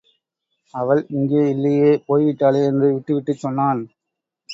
அவள் இங்கே இல்லையே போய்விட்டாளே! என்று விட்டுவிட்டுச் சொன்னான்.